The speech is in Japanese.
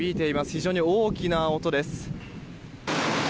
非常に大きな音です。